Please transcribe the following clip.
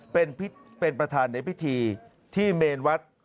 เป็นประธานในพิธีที่เมนวัด